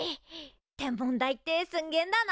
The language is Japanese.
天文台ってすんげえんだな。